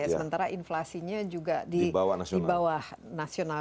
sementara inflasinya juga di bawah nasional